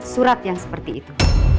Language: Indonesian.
surat yang seperti itu